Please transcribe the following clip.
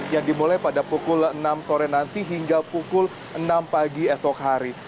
yang dimulai pada pukul enam sore nanti hingga pukul enam pagi esok hari